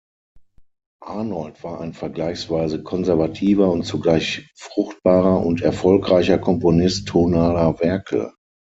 Arnold war ein vergleichsweise konservativer und zugleich fruchtbarer und erfolgreicher Komponist tonaler Werke.